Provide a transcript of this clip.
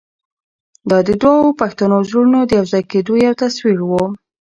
دا د دوو پښتنو زړونو د یو ځای کېدو یو تصویر و.